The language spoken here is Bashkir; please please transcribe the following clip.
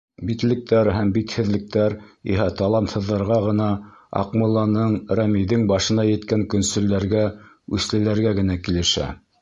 Битлектәр һәм битһеҙлектәр иһә талантһыҙҙарға ғына, Аҡмулланың, Рәмиҙең башына еткән көнсөлдәргә, үслеләргә генә килешә.